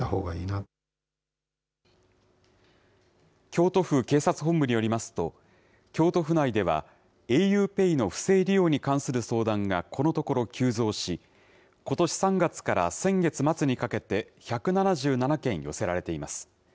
京都府警察本部によりますと、京都府内では、ａｕＰＡＹの不正利用に関する相談がこのところ急増し、ことし３月から先月末にかけて１７７件寄せられています。